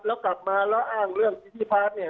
แล้วกลับมาแล้วอ้างเรื่องพิธีพาร์ทเนี่ย